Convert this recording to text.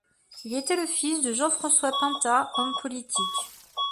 Il est le fils de Jean-François Pintat, homme politique.